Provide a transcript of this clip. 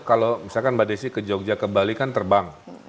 kalau misalkan mbak desi ke jogja ke bali kan terbang